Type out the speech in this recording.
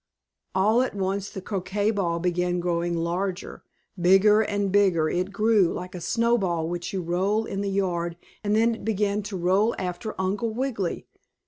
All at once the croquet ball began growing larger! Bigger and bigger it grew, like a snowball which you roll in the yard, and then it began to roll after Uncle Wiggily.